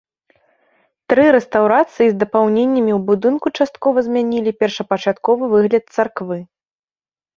Тры рэстаўрацыі з дапаўненнямі ў будынку часткова змянілі першапачатковы выгляд царквы.